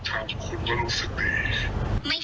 ได้เลยแชมน์